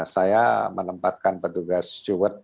saya menempatkan petugas